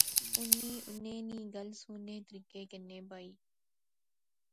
اُنی انیں نی گل سوہنے طریقے کنے بائی